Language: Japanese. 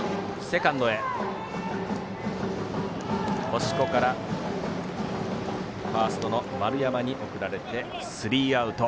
星子からファーストの丸山に送られてスリーアウト。